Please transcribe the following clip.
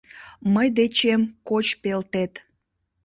Мый дечем коч пелтет...